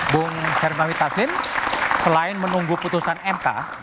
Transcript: bung hermawitasin selain menunggu putusan mk